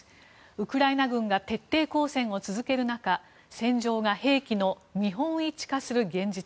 ウクライナ軍が徹底抗戦を続ける中戦場が兵器の見本市化する現実。